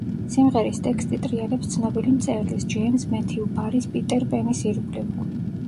სიმღერის ტექსტი ტრიალებს ცნობილი მწერლის, ჯეიმზ მეთიუ ბარის პიტერ პენის ირგვლივ.